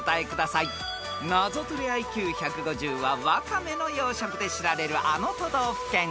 ［ナゾトレＩＱ１５０はワカメの養殖で知られるあの都道府県］